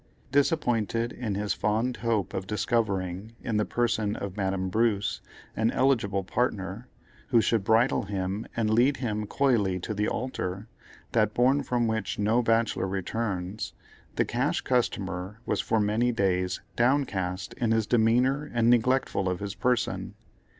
Disappointed in his fond hope of discovering, in the person of Madame Bruce, an eligible partner, who should bridal him and lead him coyly to the altar, that bourne from which no bachelor returns, the Cash Customer was for many days downcast in his demeanor and neglectful of his person.